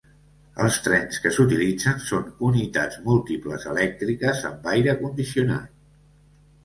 Els trens que s'utilitzen són unitats múltiples elèctriques amb aire condicionat.